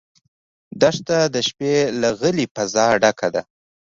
دښته د شپې له غلې فضا ډکه ده.